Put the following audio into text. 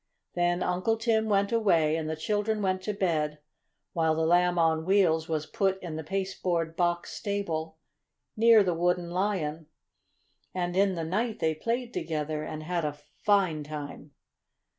Then Uncle Tim went away and the children went to bed, while the Lamb on Wheels was put in the pasteboard box stable, near the Wooden Lion. And in the night they played together and had a fine time.